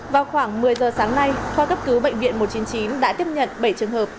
vào khoảng một mươi giờ sáng nay khoa cấp cứu bệnh viện một trăm chín mươi chín đã tiếp nhận bảy trường hợp